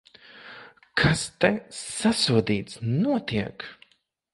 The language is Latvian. Kas te, sasodīts, notiek?